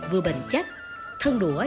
vừa bền chắc thân đũa